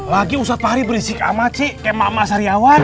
lagi ustadz fahri berisik amat sih kayak mama saryawan